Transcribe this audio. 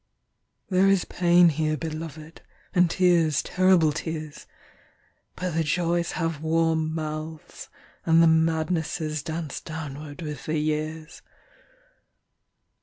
There is pain here, beloved, And tears, terrible tears; But the joys have warm mouths, and the madnessesDance downward with the years.